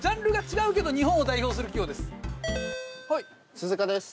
鈴鹿です。